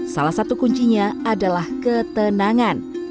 salah satu kuncinya adalah ketenangan